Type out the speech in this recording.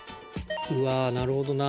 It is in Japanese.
うわあなるほどな。